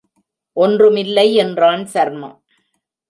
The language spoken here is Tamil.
ஒன்றுமில்லை என்றான் சர்மா.